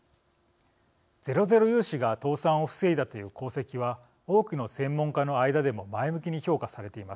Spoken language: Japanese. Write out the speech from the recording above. ゼロゼロ融資が倒産を防いだという功績は多くの専門家の間でも前向きに評価されています。